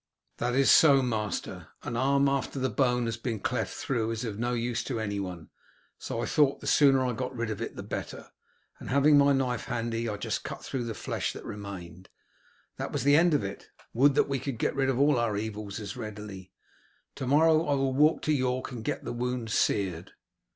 "That is so, master, an arm after the bone has been cleft through is of no use to anyone, so I thought the sooner I got rid of it the better, and having my knife handy I just cut through the flesh that remained. That was the end of it. Would that we could get rid of all our evils as readily. To morrow I will walk to York and get the wound seared."